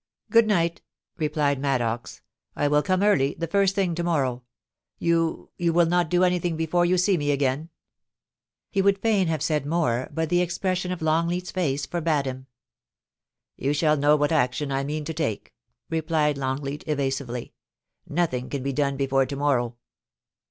' Good night,' replied Maddox. ' I will come early — the first thing to morrow. You — you will not do anything be fore you see me again ? He would fain have said more, but the expression of Ixtngleat's face forbade him. 'You shall know what action I mean to take,' replied Longleat, evasively. ' Nothing can be done before to morrow.'